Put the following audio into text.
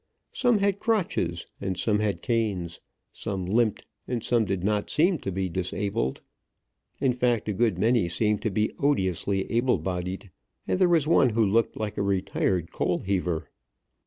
Some had crutches and some had canes, some limped and some did not seem to be disabled. In fact, a good many seemed to be odiously able bodied; and there was one who looked like a retired coal heaver.